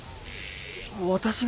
私が？